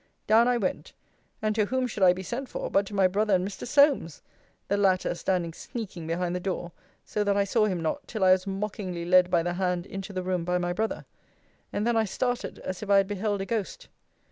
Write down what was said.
Down I went: and to whom should I be sent for, but to my brother and Mr. Solmes! the latter standing sneaking behind the door, so that I saw him not, till I was mockingly led by the hand into the room by my brother. And then I started as if I had beheld a ghost.